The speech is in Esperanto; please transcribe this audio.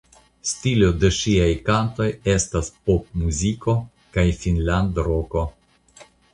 Stilo de ŝia kantoj estas popmuziko kaj finnlandroko.